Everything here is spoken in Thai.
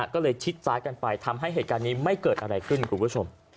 ก็เลยชิดซ้ายกันไปทำให้เหตุการณ์นี้ไม่เกิดอะไรขึ้นคุณผู้ชม